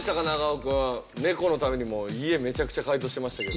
猫のためにもう家めちゃくちゃ改造してましたけど。